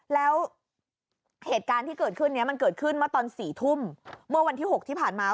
แล้วเหตุการณ์ที่เกิดขึ้น้ะมันเกิดขึ้นวันตอนสี่ท่าแล้ว